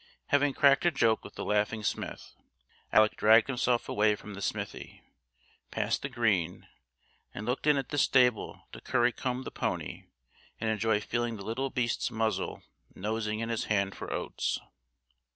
Having cracked a joke with the laughing smith, Alec dragged himself away from the smithy, past the green, and looked in at the stable to curry comb the pony and enjoy feeling the little beast's muzzle nosing in his hand for oats.